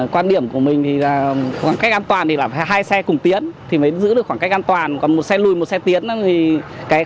quan điểm của mình thì là khoảng cách an toàn là hai xe cùng tiến thì mới giữ được khoảng cách an toàn còn một xe lùi một xe tiến thì khoảng cách an toàn thì mình không thể lương trước được